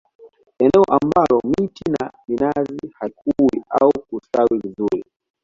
Eneo ambalo miti ya minazi haikui au kustawi vizuri